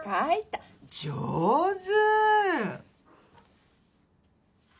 上手！